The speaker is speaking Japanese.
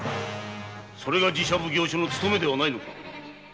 それが寺社奉行所の務めでないか。